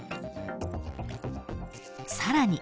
［さらに］